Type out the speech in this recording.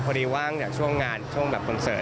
พอดีว่างจากช่วงงานช่วงแบบคอนเสิร์ฟ